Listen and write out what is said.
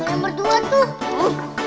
yang nomor dua tuh